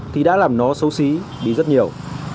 thì đã làm nó xấu xí đi rất nhiều